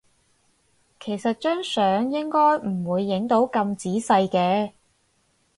其實張相應該唔會影到咁仔細嘅